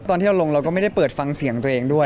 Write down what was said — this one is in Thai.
ตอนที่เราลงเราก็ไม่ได้เปิดฟังเสียงตัวเองด้วย